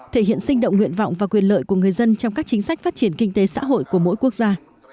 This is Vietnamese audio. thể hiện sinh động nguyện vọng và quyền lợi của người dân trong các chính sách phát triển kinh tế xã hội của mỗi quốc gia